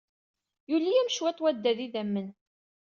Yuli-am cwiṭ wadad n yidammen.